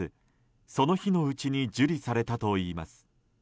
その日のうちに受理されたといいます。